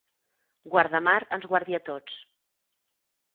Guardamar ens guardi a tots.